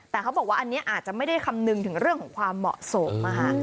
แต่เขาบอกว่าอันนี้อาจจะไม่ได้คำนึงถึงเรื่องของความเหมาะสม